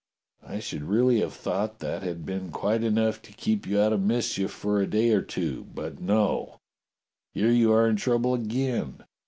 I should really have thought that had been quite enough to keep you out of mischief for a day or two. But no! Here you are in trouble again.